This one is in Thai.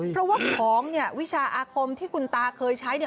เพราะว่าของเนี่ยวิชาอาคมที่คุณตาเคยใช้เนี่ย